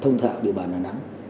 thông thạo địa bàn hà nẵng